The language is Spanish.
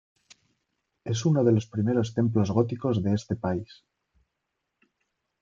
Es uno de los primeros templos góticos de este país.